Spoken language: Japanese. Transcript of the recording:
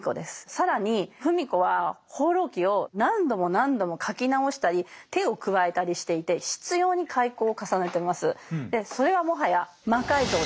更に芙美子は「放浪記」を何度も何度も書き直したり手を加えたりしていてそれはもはや「魔改造」です。